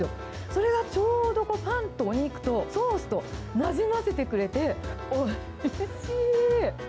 それがちょうどパンとお肉とソースとなじませてくれて、おいしい。